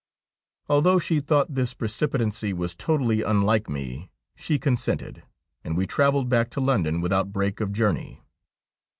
Although she thought this precipitancy was totally unlike me, she consented, and we travelled back to London without break of journey.